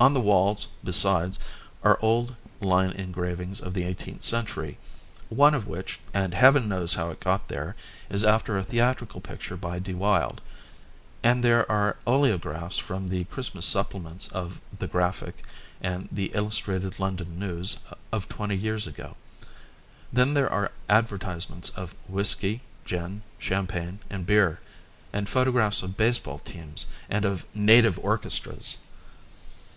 On the walls, besides, are old line engravings of the eighteenth century, one of which, and heaven knows how it got there, is after a theatrical picture by De Wilde; and there are oleographs from the Christmas supplements of the Graphic and the Illustrated London News of twenty years ago. Then there are advertisements of whisky, gin, champagne, and beer; and photographs of baseball teams and of native orchestras.